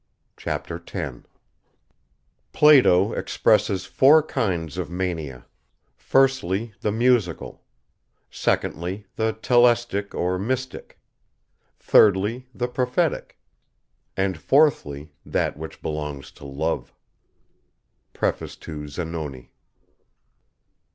CHAPTER X "Plato expresses four kinds of Mania Firstly, the musical; secondly, the telestic or mystic; thirdly, the prophetic; and fourthly, that which belongs to Love." PREFACE TO ZANONI.